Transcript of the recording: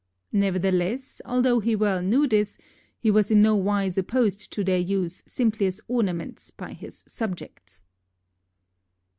Nevertheless, although he well knew this, he was in no wise opposed to their use simply as ornaments by his subjects.